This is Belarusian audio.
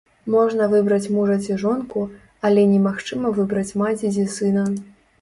Можна выбраць мужа ці жонку, але немагчыма выбраць маці ці сына.